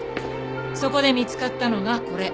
そこで見つかったのがこれ。